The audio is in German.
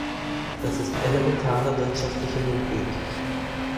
Das ist elementare wirtschaftliche Logik.